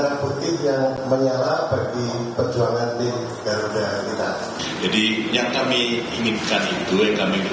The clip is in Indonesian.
nah itu yang tidak diinginkan oleh mnc group